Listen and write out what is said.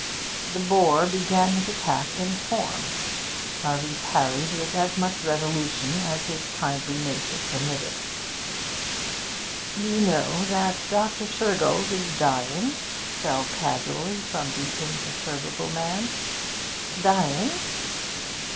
The bore began his attack in form; Harvey parried with as much resolution as his kindly nature permitted. 'You know that Dr. Shergold is dying?' fell casually from the imperturbable man. 'Dying?'